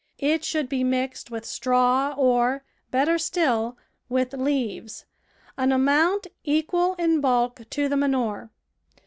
It should be mixed with straw or, better still, with leaves — an amount equal in bulk to the manure.